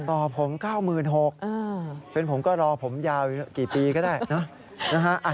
ต่อผม๙๖๐๐เป็นผมก็รอผมยาวกี่ปีก็ได้นะ